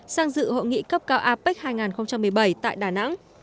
sang dự hội nghị cấp cao apec hai nghìn một mươi bảy tại đà nẵng